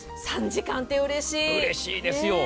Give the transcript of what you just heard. ３時間ってうれしいですね。